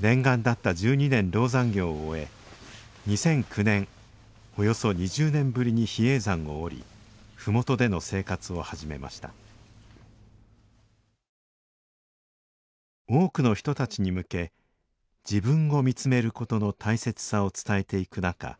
念願だった十二年籠山行を終え２００９年およそ２０年ぶりに比叡山を下り麓での生活を始めました多くの人たちに向け自分を見つめることの大切さを伝えていく中